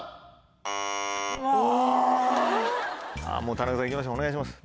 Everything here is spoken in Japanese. もう田中さん行きましょうお願いします。